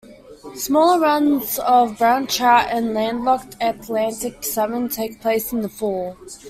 Smaller runs of brown trout and landlocked Atlantic salmon take place in the fall.